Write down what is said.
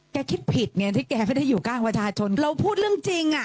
คิดผิดไงที่แกไม่ได้อยู่ข้างประชาชนเราพูดเรื่องจริงอ่ะ